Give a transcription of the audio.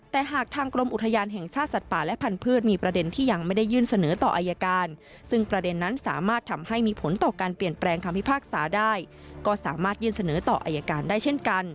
แต่หากทางกรมอุทยานแห่งชาติสัตว์ป่าและพันธุ์พืช